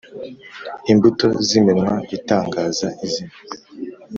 Imbuto z iminwa itangaza izina